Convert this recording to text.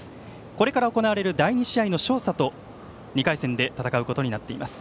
これから行われる第２試合の勝者と２回戦で戦うことになっています。